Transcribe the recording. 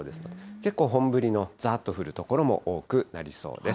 結構本降りのざっと降る所も多くなりそうです。